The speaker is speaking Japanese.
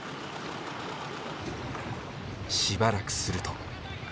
しばらくすると。